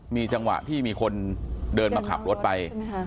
มีจังหวะที่มีคนเดินมาขับรถไป